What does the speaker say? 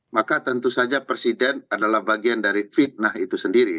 maka tentu saja presiden adalah bagian dari fitnah itu sendiri